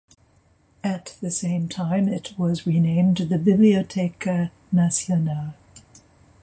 At the same time, it was renamed the Biblioteca Nacional.